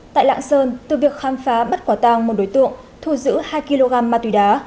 tại lạng sơn từ việc khám phá bắt quả tang một đối tượng thu giữ hai kg ma túy đá